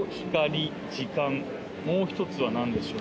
もう１つは何でしょう？